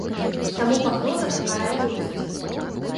Таму пагроза такая ёсць.